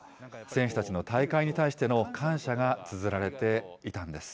選手たちの大会に対しての感謝がつづられていたんです。